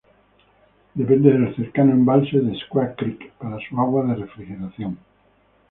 Depende del cercano embalse de Squaw Creek para su agua de refrigeración.